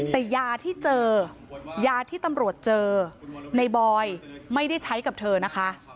แต่ยาที่เจอยาที่ตำรวจเจอในบอยไม่ได้ใช้กับเธอนะคะ